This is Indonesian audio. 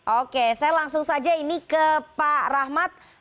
oke saya langsung saja ini ke pak rahmat